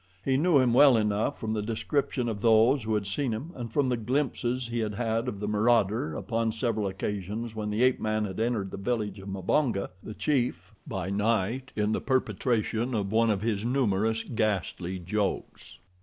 He knew him well enough from the description of those who had seen him and from the glimpses he had had of the marauder upon several occasions when the ape man had entered the village of Mbonga, the chief, by night, in the perpetration of one of his numerous ghastly jokes.